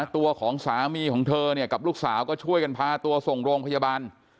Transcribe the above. ตัวของสามีของเธอเนี่ยกับลูกสาวก็ช่วยกันพาตัวส่งโรงพยาบาล